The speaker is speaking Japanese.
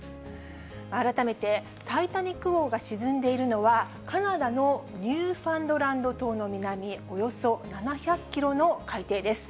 改めてタイタニック号が沈んでいるのは、カナダのニューファンドランド島の南およそ７００キロの海底です。